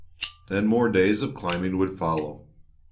Then more days of climbing would follow.